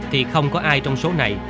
thì không có ai trong số này